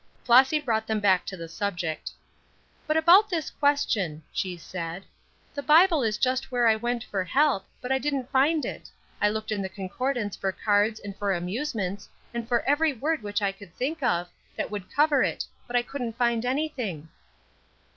Flossy brought them back to the subject. "But about this question," she said. "The Bible was just where I went for help, but I didn't find it; I looked in the Concordance for cards and for amusements, and for every word which I could think of, that would cover it, but I couldn't find anything."